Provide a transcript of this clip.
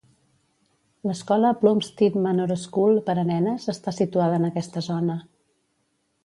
L'escola Plumstead Manor School per a nenes està situada en aquesta zona.